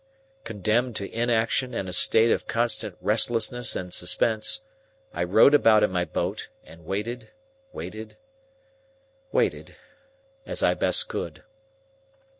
Condemned to inaction and a state of constant restlessness and suspense, I rowed about in my boat, and waited, waited, waited, as I best could.